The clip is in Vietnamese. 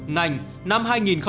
ngành năm hai nghìn hai mươi ba